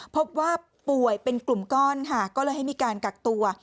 พบว่าป่วยเป็นกลุ่มก้อนค่ะก็เลยให้มีการกักตัว